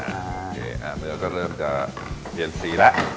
เนื้อก็เริ่มจะเปลี่ยนสีแล้ว